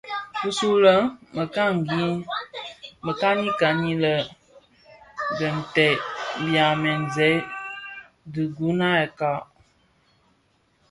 Bisule le mekani kani mè dheteb byamzèn dhiguňa kka.